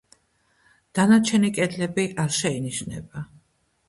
დანარჩენი კედლები არ შეინიშნება.